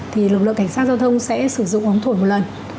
thì lực lượng cảnh sát giao thông sẽ sử dụng ống thổi một lần